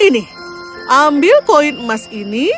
ini ambil koin emas ini